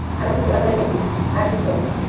আমি খুব ক্লান্ত হয়ে গেছে আর কিছু না।